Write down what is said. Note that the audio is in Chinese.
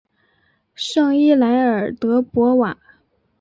圣伊莱尔德博瓦。